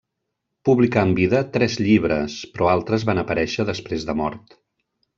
Publicà en vida tres llibres, però altres van aparèixer després de mort.